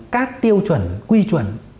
các tiêu chuẩn quy chuẩn